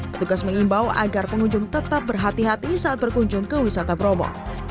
petugas mengimbau agar pengunjung tetap berhati hati saat berkunjung ke wisata bromo